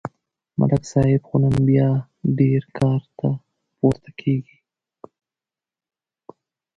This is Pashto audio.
ملک صاحب خو نن بیا ډېر کار ته پورته کېږي